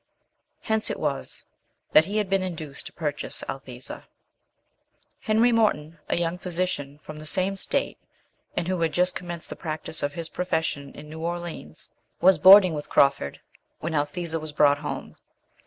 Hence it was that he had been induced to purchase Althesa. Henry Morton, a young physician from the same state, and who had just commenced the practice of his profession in New Orleans, was boarding with Crawford when Althesa was brought home.